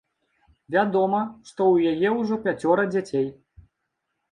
Вядома, што ў яе ўжо пяцёра дзяцей.